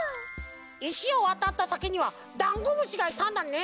いしをわたったさきにはダンゴムシがいたんだね。